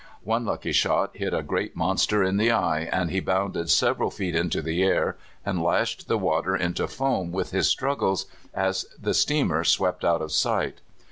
One lucky shot hit a great monster in the eye, and he bounded several feet into the air, and lashed the water into foam wdth his struggles, as the steamer swept out of sight.